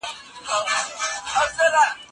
آیا تاسو غواړئ چي یو روڼ اندئ څېړونکی سئ؟